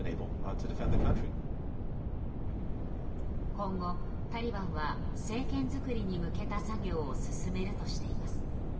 今後、タリバンは政権作りに向けた作業を進めるとしています。